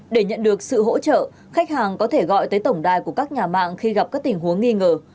để nhận được sự hỗ trợ khách hàng có thể gọi tới tổng đài của các nhà mạng khi gặp các tình huống nghi ngờ